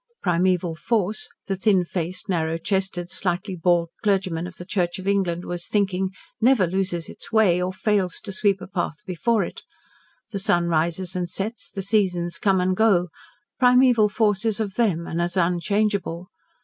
Primeval Force the thin faced, narrow chested, slightly bald clergyman of the Church of England was thinking never loses its way, or fails to sweep a path before it. The sun rises and sets, the seasons come and go, Primeval Force is of them, and as unchangeable.